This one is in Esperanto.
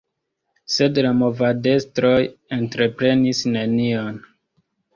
Sed la movadestroj entreprenis nenion.